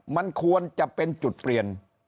มันควรจะเป็นจุดเปลี่ยน